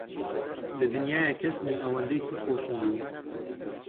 لە دنیایێ کەس نییە ئەوەندەی توو خۆشم بوێ.